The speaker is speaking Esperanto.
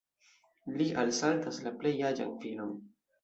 Li alsaltas la plej aĝan filon.